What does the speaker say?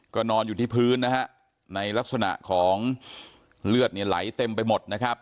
ก็นอนอยู่ที่พื้นนะฮะในลักษณะของเลือดเนี่ยไหลเต็มไปหมดนะครับ